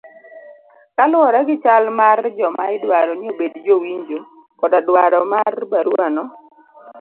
kaluwore gi chal mar joma idwaro ni obed jowinjo koda dwaro mar barua no